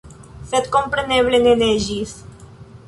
Sed kompreneble ne neĝis.